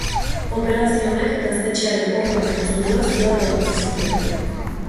Operazio honek gaztetxearen hormak eta zorua zulatuak utzi zituen.